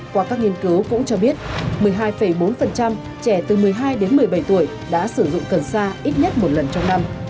qua các nghiên cứu cũng cho biết một mươi hai bốn trẻ từ một mươi hai đến một mươi bảy tuổi đã sử dụng cần sa ít nhất một lần trong năm